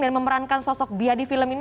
dan memerankan sosok biar di film ini